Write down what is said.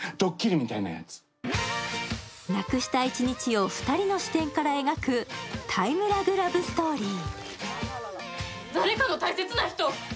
なくした一日を２人の視点から描くタイムラグラブストーリー。